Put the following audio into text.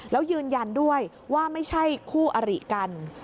แล้วยืนยันด้วยว่าไม่ใช่คู่อริกัน